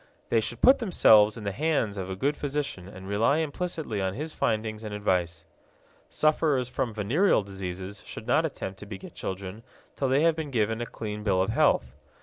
They should put themselves in the hands of a good physician and rely implicitly on his findings and advice. Sufferers from venereal diseases should not attempt to beget children till they have been given a clean bill of health.